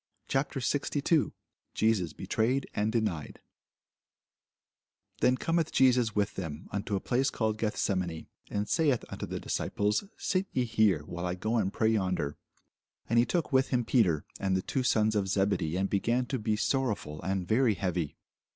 CHAPTER 62 JESUS BETRAYED AND DENIED [Sidenote: St. Matthew 26] THEN cometh Jesus with them unto a place called Gethsemane, and saith unto the disciples, Sit ye here, while I go and pray yonder. And he took with him Peter and the two sons of Zebedee, and began to be sorrowful and very heavy.